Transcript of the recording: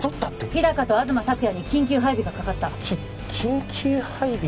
日高と東朔也に緊急配備がかかったき緊急配備？